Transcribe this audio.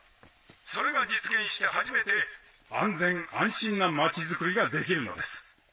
それが実現して初めて安全・安心な町づくりができるのです。